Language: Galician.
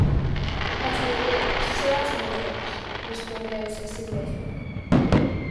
"As mulleres, só as mulleres", respondeuse a si mesma.